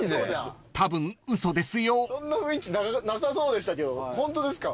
そんな雰囲気なさそうでしたけどホントですか？